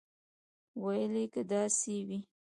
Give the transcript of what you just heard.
ویل یې که داسې وي.